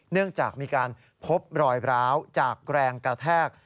เนื่องจากมีการพบรอยร้าวจากแรงกระแทก